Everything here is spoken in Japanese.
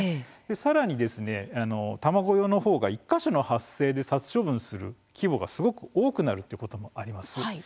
さらに卵用の方が１か所の発生で殺処分する規模がすごく多くなるということがあります。